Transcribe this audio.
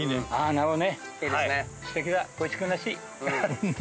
なるほど。